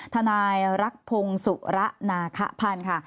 นายรักพงศ์สุระนาคพันธ์ค่ะ